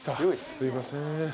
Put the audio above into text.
すいません。